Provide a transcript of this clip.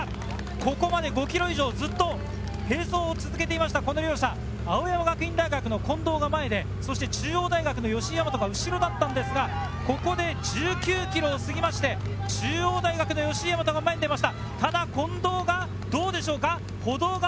ここまで５ｋｍ以上ずっと並走を続けていました両者、青山学院大学の近藤が前で中央大学の吉居大和が後ろだったんですが、ここで１９ｋｍをすぎまして中央大学の吉居大和が前に出ました！